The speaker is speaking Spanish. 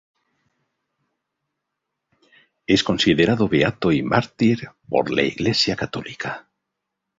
Es considerado beato y mártir por la Iglesia católica.